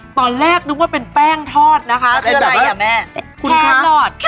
โอเคตัวแรกนึกว่าเป็นแพ่งทอดค่ะ